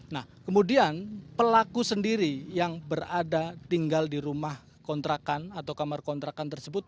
nah kemudian pelaku sendiri yang berada tinggal di rumah kontrakan atau kamar kontrakan tersebut